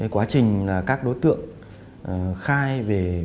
quá trình các đối tượng khai về